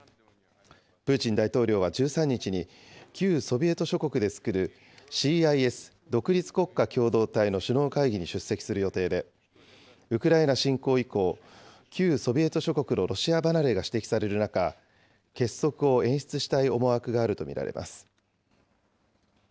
プーチン大統領は１３日に、旧ソビエト諸国で作るＣＩＳ・独立国家共同体の首脳会議に出席する予定で、ウクライナ侵攻以降、旧ソビエト諸国のロシア離れが指摘される中、結束を演出したい思惑があると見られます。